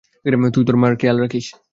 তাই, তুই তোর মার খেয়াল রাখি।